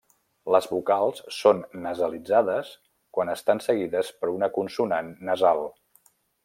Les vocals són nasalitzades quan estan seguides per una consonant nasal.